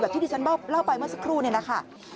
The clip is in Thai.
ที่ที่ฉันเล่าไปเมื่อสักครู่เนี่ยนะคะ